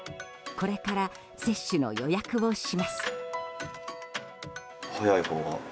これから接種の予約をします。